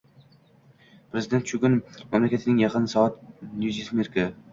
Prezident Chugun mamlakatning Yaqin soat njusmejkeri